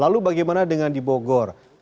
lalu bagaimana dengan di bogor